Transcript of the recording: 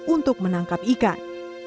untuk menangkap ikan